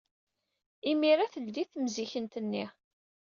Imir-a, teldey temzikkent-nni.